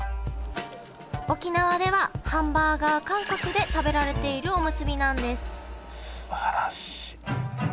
沖縄ではハンバーガー感覚で食べられているおむすびなんですすばらしい。